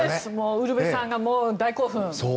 ウルヴェさんが大興奮。